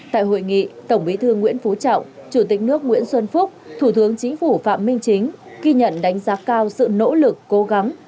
tại hội nghị tổng bí thư nguyễn phú trọng chủ tịch nước nguyễn xuân phúc thủ tướng chính phủ phạm minh chính ghi nhận đánh giá cao sự nỗ lực cố gắng